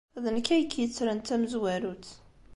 D nekk ay k-yettren d tamezwarut.